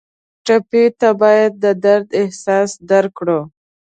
ټپي ته باید د درد احساس درکړو.